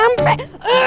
kita jalan lagi ya